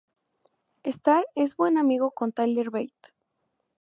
Starr es buen amigo con Tyler Bate.